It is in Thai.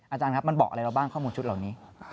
อาจารย์ครับมันบอกอะไรเราบ้างข้อมูลชุดเหล่านี้